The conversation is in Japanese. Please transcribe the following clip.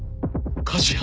火事や！